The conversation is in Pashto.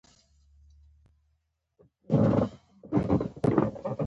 په افغانستان کې څومره بریالي شوي دي؟